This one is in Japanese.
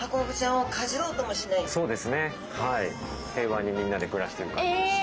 平和にみんなで暮らしてる感じです。